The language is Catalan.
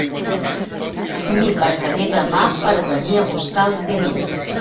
M'hi passaré demà per venir a buscar els diners.